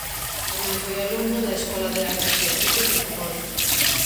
Tamén foi alumno da Escola de Artes e Oficios de Ferrol.